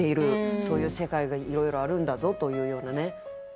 そういう世界がいろいろあるんだぞというようなね。